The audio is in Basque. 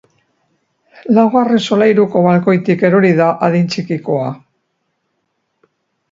Laugarren solairuko balkoitik erori da adin txikikoa.